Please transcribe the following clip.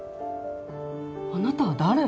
あなた誰？